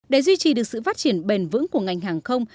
để duy trì được sự phát triển bền vững của ngành hàng không